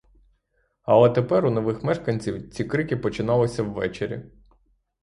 Але тепер у нових мешканців ці крики починалися ввечері.